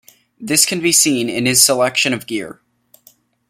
This can be seen in his selection of gear.